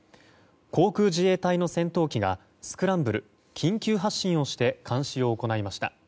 航空自衛隊の戦闘機がスクランブル、緊急発進をして監視を行いました。